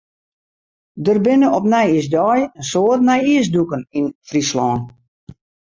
Der binne op nijjiersdei in soad nijjiersdûken yn Fryslân.